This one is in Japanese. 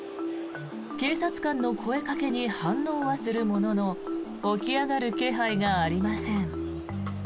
警察官の声掛けに反応はするものの起き上がる気配はありません。